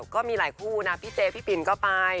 ก็มีหลายคู่นะพี่เจ๊พี่ปินก็ไป